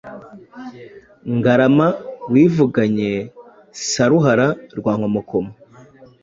Ngarama wivuganye Saruhara rwa Nkomokomo,